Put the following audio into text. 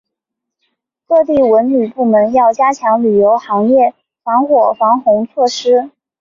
各地文旅部门要强化旅游行业防火防汛措施